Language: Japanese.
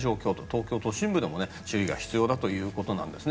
東京都心部でも注意が必要だということなんです。